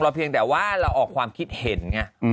เพียงแต่ว่าเราออกความคิดเห็นไง